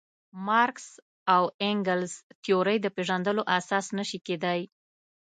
مارکس او انګلز تیورۍ د پېژندلو اساس نه شي کېدای.